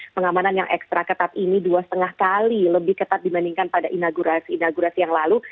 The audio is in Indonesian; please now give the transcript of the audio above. pengamanan yang ekstra ketat ini dua lima kali lebih ketat dibandingkan pada inaugurasi inaugurasi yang lalu